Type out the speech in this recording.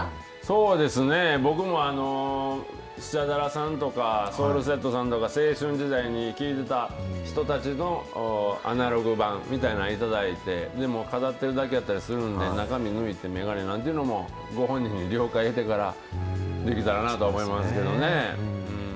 そうですね、僕もスチャダラさんとか、ソウルセットさんとか、青春時代に聴いてた人たちのアナログ盤みたいなの頂いて、でも飾ってるだけやったりするんで、中身抜いてメガネなんていうのも、ご本人に了解得てから、できたらなと思いますけどね。